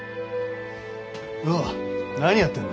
よう何やってんだ？